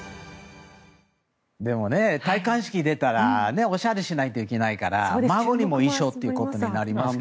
でもね、戴冠式に出たらおしゃれしないといけないから孫にも衣装ということになりますけどね。